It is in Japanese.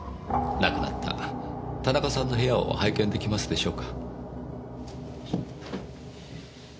亡くなった田中さんの部屋を拝見出来ますでしょうか。